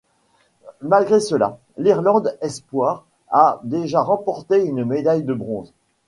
Malgré cela, l'Irlande espoir a déjà remporté une médaille de bronze.